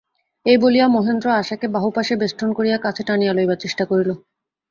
এই বলিয়া মহেন্দ্র আশাকে বাহুপাশে বেষ্টন করিয়া কাছে টানিয়া লইবার চেষ্টা করিল।